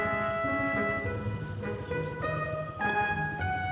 gak ada yang ngerti